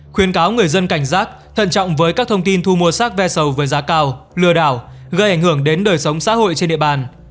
khuyên cáo người dân cảnh giác thận trọng với các thông tin thu mua sát ve sầu với giá cao lừa đảo gây ảnh hưởng đến đời sống xã hội trên địa bàn